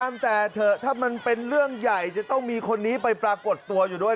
แต่เถอะถ้ามันเป็นเรื่องใหญ่จะต้องมีคนนี้ไปปรากฏตัวอยู่ด้วย